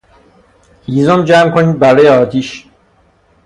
هیزم جمع کنید برای آتیش